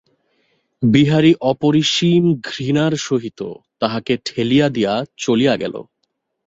বিহারী অপরিসীম ঘৃণার সহিত তাহাকে ঠেলিয়া দিয়া চলিয়া গেল।